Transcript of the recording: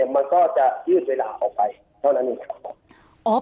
มันก็จะยืดเวลาออกไปเท่านั้นเองครับผม